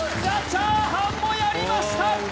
チャーハンもやりました！